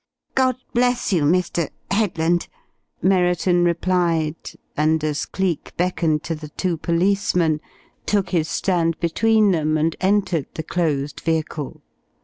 "God bless you, Mr. Headland," Merriton replied, and as Cleek beckoned to the two policemen, took his stand between them and entered the closed vehicle.